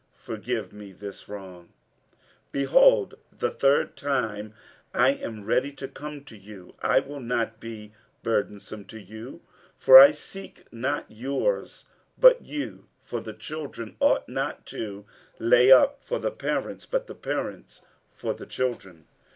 forgive me this wrong. 47:012:014 Behold, the third time I am ready to come to you; and I will not be burdensome to you: for I seek not your's but you: for the children ought not to lay up for the parents, but the parents for the children.